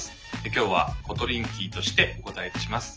今日はコトリンキーとしてお答えいたします。